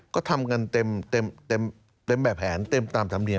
ก็ทำกันเต็มแบบแผนเต็มตามธรรมเนียม